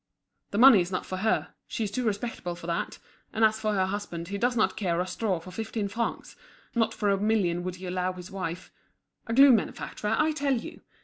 "The money is not for her. She is too respectable for that. And as for her husband, he does not care a straw for fifteen francs. Not for a million would he allow his wife. A glue manufacturer, I tell you.